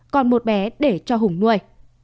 còn một bé để cho hùng nuôi